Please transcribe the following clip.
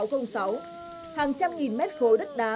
hàng trăm nghìn mét khối đất đá